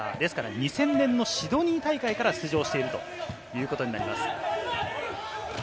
２０００年のシドニー大会から出場しているということになります。